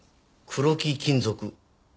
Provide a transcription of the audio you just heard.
クロキ金属？